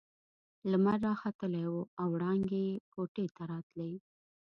لمر راختلی وو او وړانګې يې کوټې ته راتلې.